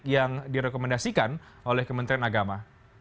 yang direkomendasikan oleh kementerian agama